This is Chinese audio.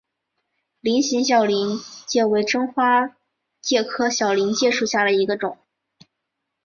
菱形小林介为真花介科小林介属下的一个种。